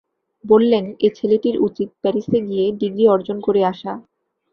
বললেন, এ ছেলেটির উচিত প্যারিসে গিয়ে ডিগ্রি অর্জন করে আসা।